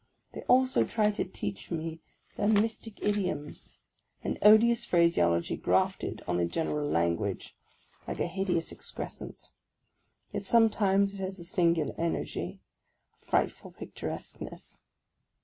They also try to OF A CONDEMNED 47 teach me their mystic idioms, — an odious phraseology grafted en the general language, like a hideous excrescence ; yet some times it has a singular energy, a frightful picturesqueness.